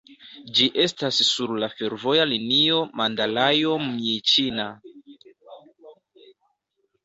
Ĝi estas sur la fervoja linio Mandalajo-Mjiĉina.